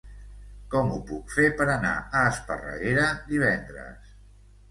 Com ho puc fer per anar a Esparreguera divendres?